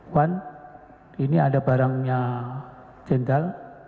wan ini ada barangnya jenderal